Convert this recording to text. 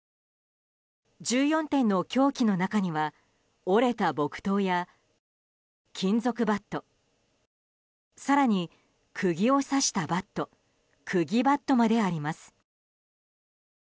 １４点の凶器の中には折れた木刀や金属バット更に釘を刺したバット釘バットまであります。